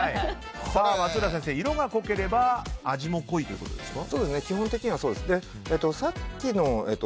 松浦先生、色が濃ければ味も濃いということですか。